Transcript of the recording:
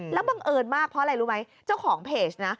แล้วบังเอิญมากเพราะอะไรรู้ไหมเจ้าของเพจนะ